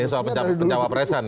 soal pencapa presan ya